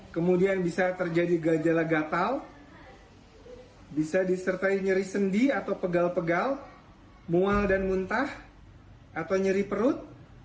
kemudian bisa terjadi gejala gatal bisa disertai nyeri sendi atau pegal pegal mual dan muntah atau nyeri perut